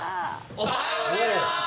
おはようございます。